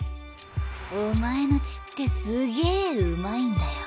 お前の血ってすげえうまいんだよ。